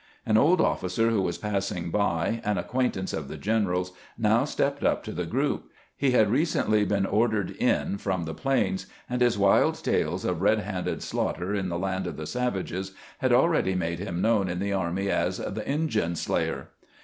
An old officer who was passing by, an acquaintance of the general's, now stepped up to the group. He had recently been ordered in from the plains, and his wild tales of red handed slaughter in the land of the savages had already made him known in the army as the " Injun slayer."